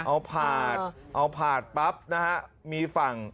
เอาผาดเอาผาดปั๊บนะฮะมีฝั่ง